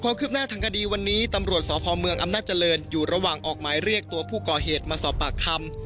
ความคืบหน้าทางคดีวันนี้ตำรวจสพเมืองอำนาจเจริญอยู่ระหว่างออกหมายเรียกตัวผู้ก่อเหตุมาสอบปากคำ